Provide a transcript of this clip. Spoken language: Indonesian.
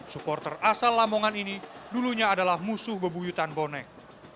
supporter asal lamongan ini dulunya adalah musuh bebuyutan bonek